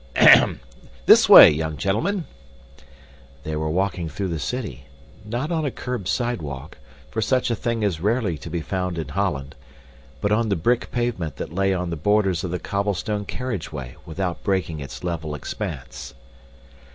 "Ahem! this way, young gentlemen!" They were walking through the city, not on a curbed sidewalk, for such a thing is rarely to be found in Holland, but on the brick pavement that lay on the borders of the cobblestone carriage way without breaking its level expanse.